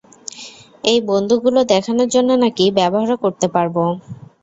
এই বন্দুকগুলো দেখানোর জন্য নাকি ব্যবহারও করতে পারব?